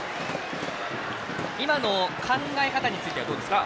今の考え方についてはどうですか。